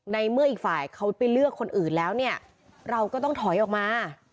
ในเมื่ออีกฝ่ายเขาไปเลือกคนอื่นแล้วเนี่ยเราก็ต้องถอยออกมา